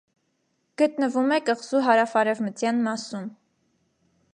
Գտնվում է կղզու հարավարևմտյան մասում։